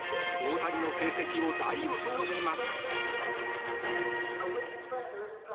大谷の成績を大予想します。